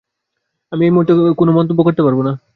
আমি এই মুহুর্তে আমি কোনো মন্তব্য করতে পারবো না।